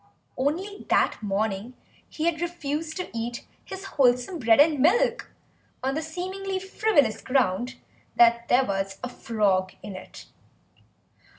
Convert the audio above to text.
Only that morning he had refused to eat his wholesome bread and milk on the seemingly frivolous ground that there was a frog in it.